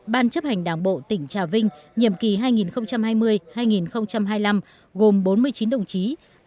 ban chấp hành đảng bộ tỉnh trà vinh nhiệm kỳ hai nghìn hai mươi hai nghìn hai mươi năm gồm bốn mươi chín đồng chí